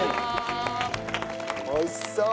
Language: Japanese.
美味しそう！